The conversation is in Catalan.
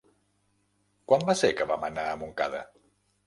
Quan va ser que vam anar a Montcada?